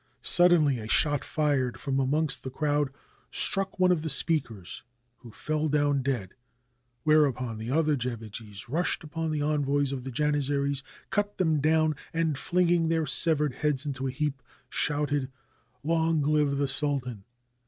Suddenly a shot fired from amongst the crowd struck one of the speakers, who fell down dead, whereupon the other jebejis rushed upon the envoys of the Janizaries, cut them down, and, flinging their severed heads into a heap, shouted, ''Long live the sultan!"